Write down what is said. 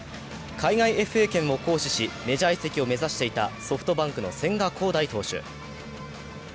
海外ＦＡ権を行使し、メジャー移籍を目指していたソフトバンクの千賀滉大投手。